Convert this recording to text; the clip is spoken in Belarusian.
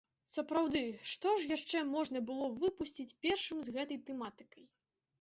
Сапраўды, што ж яшчэ можна было выпусціць першым з гэтай тэматыкай?